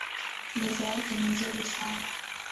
Meza yake ni nzuri sana